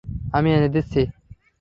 আমি এনে দিচ্ছি।